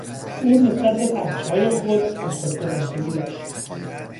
او نسبت به بچههای خود از خودگذشتگی داشت.